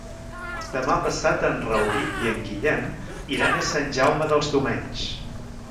Demà passat en Rauric i en Guillem iran a Sant Jaume dels Domenys.